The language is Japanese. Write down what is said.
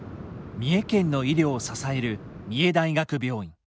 三重県の医療を支える三重大学病院。